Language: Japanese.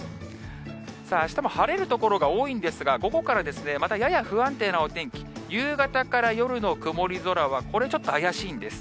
さあ、あしたも晴れる所が多いんですが、午後からですね、またやや不安定なお天気、夕方から夜の曇り空は、これちょっと怪しいんです。